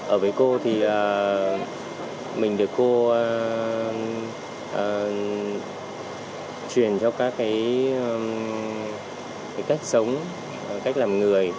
ở với cô thì mình được cô truyền cho các cái cách sống cách làm người